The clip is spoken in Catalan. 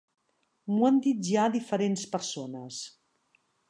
M'ho han dit ja diferents persones.